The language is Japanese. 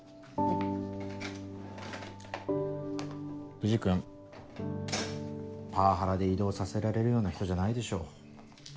藤君パワハラで異動させられるような人じゃないでしょ。